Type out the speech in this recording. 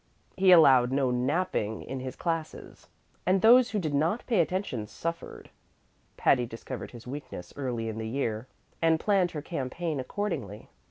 He allowed no napping in his classes, and those who did not pay attention suffered. Patty discovered his weakness early in the year, and planned her campaign accordingly.